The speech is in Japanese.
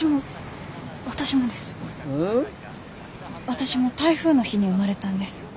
私も台風の日に生まれたんです。